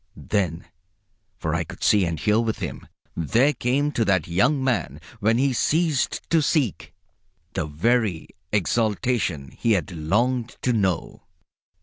Then for I could see and hear with him there came to that young man when he ceased to seek, the very exaltation he had longed to know.